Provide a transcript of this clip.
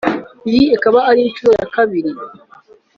Iyi ikaba ari inshuro ya kabiri